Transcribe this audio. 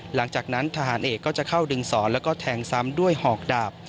หลังจากนั้นทหารเอกก็จะเข้าดึงสอนแล้วก็แทงซ้ำด้วยหอกดาบ